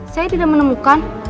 saya tidak menemukan